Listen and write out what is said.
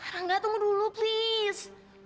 rangga tunggu dulu please